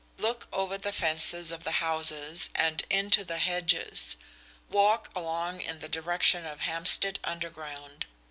Look over the fences of the houses and into the hedges. Walk along in the direction of Hampstead Underground.